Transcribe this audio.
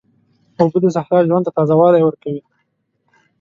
اوبه د صحرا ژوند ته تازه والی ورکوي.